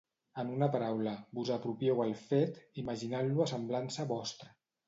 En una paraula: vos apropieu el fet, imaginant-lo a semblança vostra.